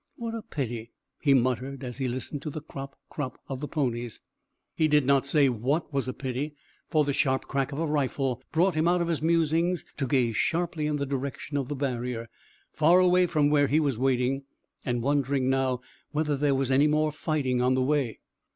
"What a pity!" he muttered, as he listened to the crop, crop of the ponies. He did not say what was a pity, for the sharp crack of a rifle brought him out of his musings to gaze sharply in the direction of the barrier, far away from where he was waiting, and wondering now whether there was any more fighting on the way.